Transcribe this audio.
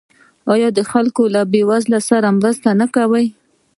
آیا خلک له بې وزلو سره مرسته نه کوي؟